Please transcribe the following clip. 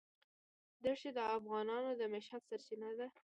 دښتې د افغانانو د معیشت سرچینه ده.